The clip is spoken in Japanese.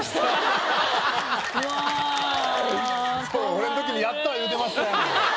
俺の時に「やった！」言うてましたやん。